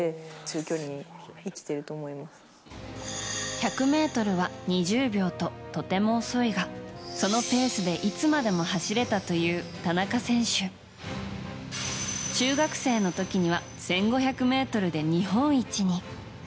１００ｍは２０秒ととても遅いがそのペースでいつまでも走れたという田中選手。中学生の時には１５００ｍで日本一に。